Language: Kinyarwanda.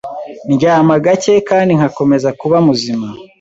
ndyama gake kandi nkakomeza kuba muzima,